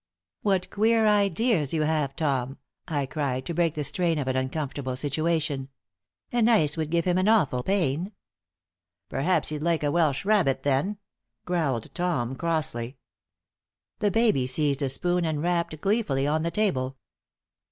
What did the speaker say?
"What queer ideas you have, Tom!" I cried, to break the strain of an uncomfortable situation. "An ice would give him an awful pain." "Perhaps he'd like a Welsh rabbit, then?" growled Tom, crossly. The baby seized a spoon and rapped gleefully on the table.